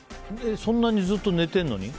そんなにずっと寝てるのに？